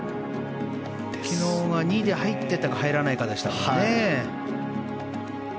昨日は２で入ってたか入らないかでしたからね。